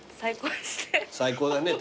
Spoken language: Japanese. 最高だね